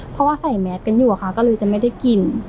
เพราะว่าใส่แมสกันอยู่อะค่ะก็เลยจะไม่ได้กิน